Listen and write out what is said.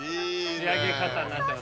仕上げ方になってます。